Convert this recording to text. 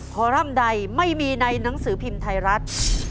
คอรัมป์ใดไม่มีในหนังสือพิมพ์ไทยรัฐ